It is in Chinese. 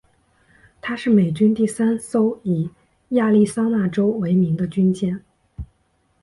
她是美军第三艘以亚利桑那州为名的军舰。